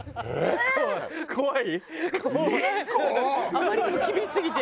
あまりにも厳しすぎて。